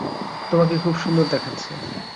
তোমাকে খুব সুন্দর দেখাচ্ছে।